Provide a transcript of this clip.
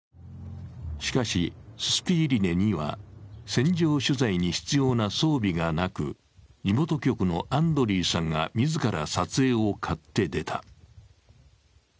しかし、ススピーリネには戦場取材に必要な装備がなく地元局のアンドリーさんが自ら撮影を買って出た。